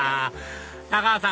太川さん